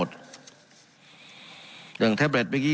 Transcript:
การปรับปรุงทางพื้นฐานสนามบิน